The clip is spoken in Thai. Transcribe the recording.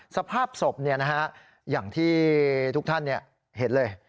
สภาพศพอย่างที่ทุกท่านเห็นเลย